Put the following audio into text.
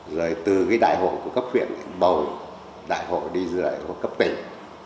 rồi từ cái đại hội cấp viện bầu đại hội đi dự đại hội cấp tỉnh